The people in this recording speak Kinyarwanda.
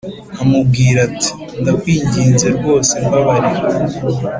amubwira ati”ndakwinginze rwose mbabarira